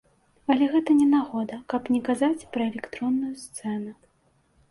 Але гэта не нагода, каб не казаць пра электронную сцэну.